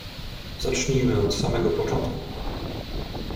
"Zacznijmy od samego początku."